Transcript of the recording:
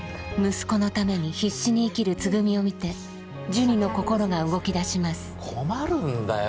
息子のために必死に生きるつぐみを見てジュニの心が動きだします困るんだよ